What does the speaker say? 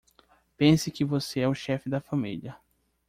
Pense que você é o chefe da família